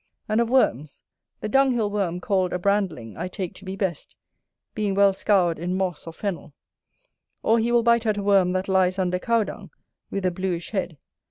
And of worms; the dunghill worm called a brandling I take to be best, being well scoured in moss or fennel; or he will bite at a worm that lies under cow dung, with a bluish head.